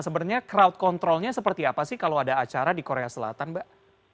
sebenarnya crowd controlnya seperti apa sih kalau ada acara di korea selatan mbak